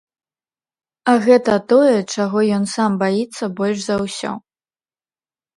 А гэта тое, чаго ён сам баіцца больш за ўсё.